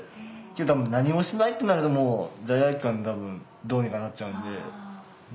多分何もしないってなると罪悪感で多分どうにかなっちゃうんで。